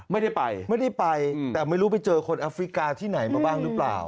ไม่ได้ไปไม่ได้ไปแต่ไม่รู้ไปเจอคนแอฟริกาที่ไหนมาบ้างหรือเปล่า